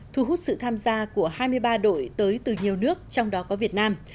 thu hút sự tham gia của hai mươi ba đội tới từ nhiều nước trong đó có việt nam